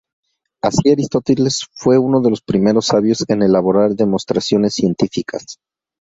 Así Aristóteles fue uno de los primeros sabios en elaborar demostraciones científicas.